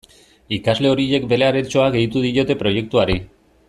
Ikasle horiek bere aletxoa gehitu diote proiektuari.